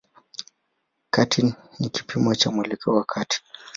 Kati ni kipimo cha mwelekeo wa kati.